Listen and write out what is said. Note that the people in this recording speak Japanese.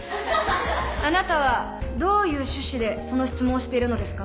あなたはどういう趣旨でその質問をしているのですか。